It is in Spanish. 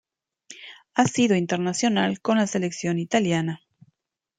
Ha sido internacional con la Selección italiana.